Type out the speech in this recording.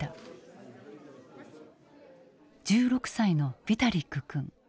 １６歳のヴィタリック君。